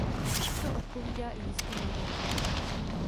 To odpovídá i jistým modelům.